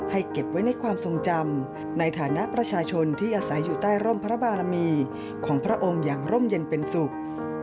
เก็บไว้ในความทรงจำในฐานะประชาชนที่อาศัยอยู่ใต้ร่มพระบารมีของพระองค์อย่างร่มเย็นเป็นสุข